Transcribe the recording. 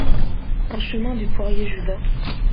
un chemin du Poirier Judas